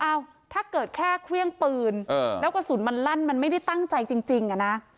ถ้าเกิดแค่เครื่องปืนแล้วกระสุนมันลั่นมันไม่ได้ตั้งใจจริงอะนะ